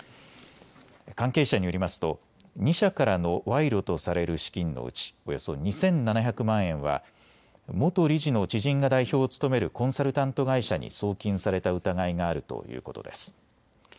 関係者によりますと２社からの賄賂とされる資金のうちおよそ２７００万円は元理事の知人が代表を務めるコンサルタント会社に送金された疑いがあるということです。